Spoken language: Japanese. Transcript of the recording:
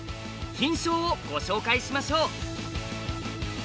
「金将」をご紹介しましょう。